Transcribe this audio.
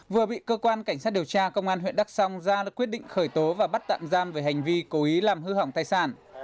vừa bị cơ quan cảnh sát điều tra công an huyện đắk song ra quyết định khởi tố và bắt tạm giam về hành vi cố ý làm hư hỏng tài sản